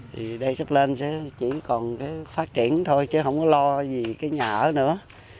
thì đây sắp lên sẽ chỉ còn phát triển thôi chứ không có lo gì cái nhà ở nữa